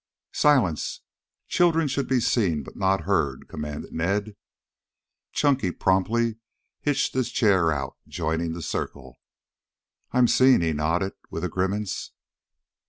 "Silence! Children should be seen, but not heard," commanded Ned. Chunky promptly hitched his chair out, joining the circle. "I'm seen," he nodded, with a grimace.